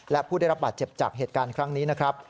และผู้ได้รับบาดเจ็บจากเหตุการณ์ครั้งนี้นะครับ